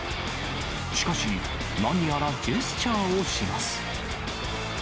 しかし、何やらジェスチャーをします。